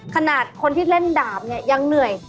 ขนาดคนที่เล่นดาบเนี่ยยังเหนื่อย